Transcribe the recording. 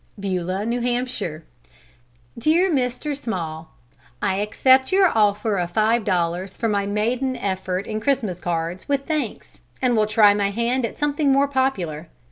BEULAH, N.H. DEAR MR. SMALL: I accept your offer of five dollars for my maiden effort in Christmas cards with thanks, and will try my hand at something more popular.